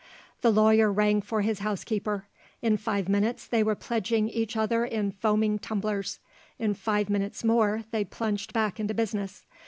The lawyer rang for his housekeeper. In five minutes, they were pledging each other in foaming tumblers. In five minutes more, they plunged back into business.